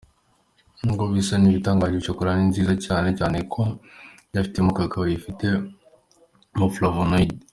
Nubwo bisa n’ibitangaje, chocolat ni nziza cyane kuko yifitemo cacao yifitemo flavonoides.